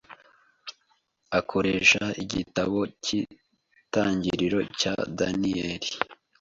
akoresha Igitabo cyItangiriro cya Daniyeli